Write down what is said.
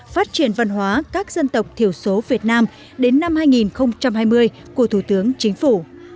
phát triển văn hóa các dân tộc thiểu số việt nam đến năm hai nghìn hai mươi của thủ tướng chính phủ